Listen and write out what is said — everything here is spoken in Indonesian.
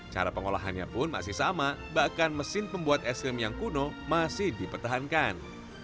cara pengolahannya pun masih sama bahkan mesin pembuat es krim yang kuno masih dipertahankan